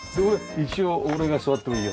一応俺が座ってもいけるの？